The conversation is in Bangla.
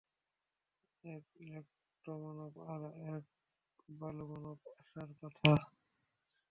এক ইলেক্ট্রো-মানব আর এক বালু-মানব আসার কথা।